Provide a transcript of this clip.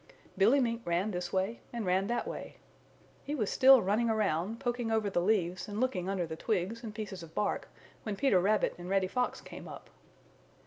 Billy Mink ran this way and ran that way. He was still running around, poking over the leaves and looking under the twigs and pieces of bark when Peter Rabbit and Reddy Fox came up.